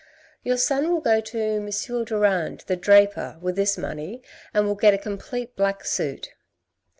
"Your son will go to M. Durand, the draper, with this money and will get a complete black suit."